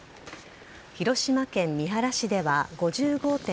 広島県三原市では５５．５ｍｍ